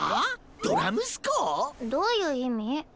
どういう意味？